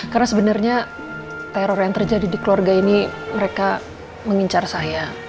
karena sebenarnya teror yang terjadi di keluarga ini mereka mengincar saya